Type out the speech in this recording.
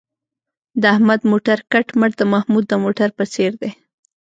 د احمد موټر کټ مټ د محمود د موټر په څېر دی.